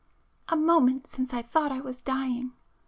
····· A moment since I thought I was dying.